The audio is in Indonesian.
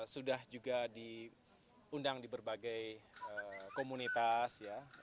sudah juga diundang di berbagai komunitas